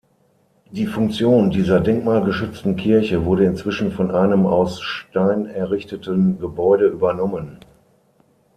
Die Funktion dieser denkmalgeschützten Kirche wurde inzwischen von einem aus Stein errichteten Gebäude übernommen.